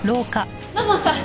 土門さん！